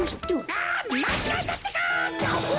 「あまちがえたってか」。